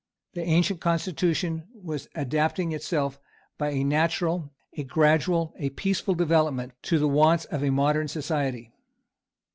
The ancient constitution was adapting itself, by a natural, a gradual, a peaceful development, to the wants of a modern society.